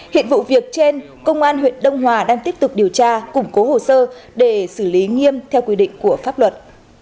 hiện vụ việc trên công an huyện đông hòa đang tiếp tục điều tra củng cố hồ sơ để xử lý nghiêm theo quy định của pháp luật